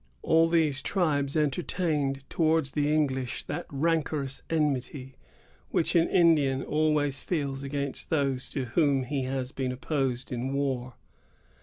All these tribes entertained towards the English that rancorous enmity which an Indian always feels against those to whom he has been opposed in war.